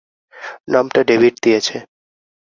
নামটা ডেভিড দিয়েছে।